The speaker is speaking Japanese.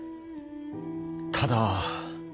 ただ。